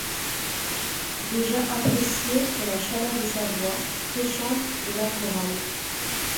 Déjà apprécié pour la chaleur de sa voix, pré-chantre de la chorale.